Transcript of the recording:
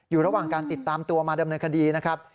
อยู่ระหว่างการติดตามตัวมาดำเนินคดีนะครับ